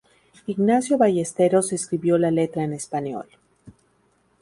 Ignacio Ballesteros escribió la letra en español.